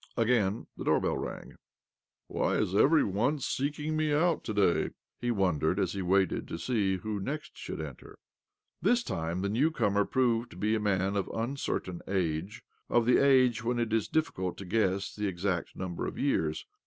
Again the doorbell rang. " Why is every one seeking me out to day? " he wondered as he waited to see who next should enter. This time the new comer proved to be a man of uncertain age— of the age when it is difficult to guess the exact number of years.